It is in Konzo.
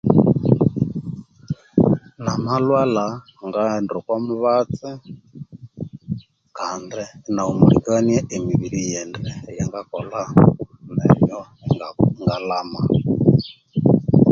Namalhwalha ngaghenda oku mubatsi kandi inahumulikanya emibiri yindi eyangakolha neryo ingahu ingalhama